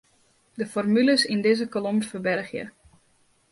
De formules yn dizze kolom ferbergje.